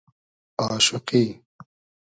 آشوقی